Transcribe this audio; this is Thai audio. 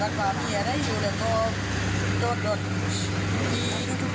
ถ้านั้นออกมาบอกว่านี่ค่ะถือให้การแบบนี้บอกไม่ได้มีสิ่งของอะไรผิดกฎมากไม่รู้เลย